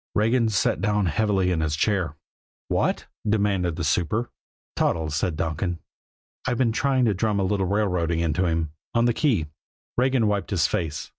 Regan sat down heavily in his chair. "What?" demanded the super. "Toddles," said Donkin. "I've been trying to drum a little railroading into him on the key." Regan wiped his face.